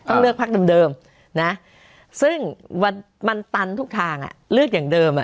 เลือกพักเดิมนะซึ่งมันตันทุกทางเลือกอย่างเดิม